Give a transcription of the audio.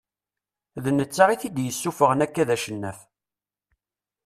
D netta i t-id-yessufɣen akka d acennaf.